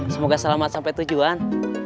semoga selamat sampai tujuan